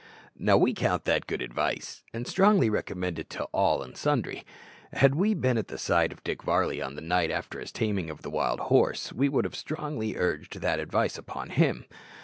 Now, we count that good advice, and strongly recommend it to all and sundry. Had we been at the side of Dick Varley on the night after his taming of the wild horse, we would have strongly urged that advice upon him.